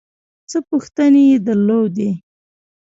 څه پوښتنې یې درلودې.